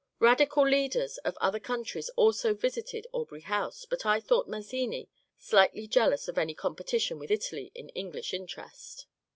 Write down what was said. Radical leaders of other countries also visited Aubrey House, but I thought Mazzini slightly jealous of any competition with Italy in Eng lish interest.